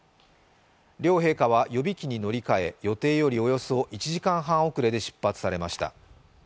両陛下は予備機に乗り換え、予定よりおよそ１時間半遅れで出発されました。